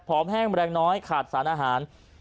แห้งแรงน้อยขาดสารอาหาร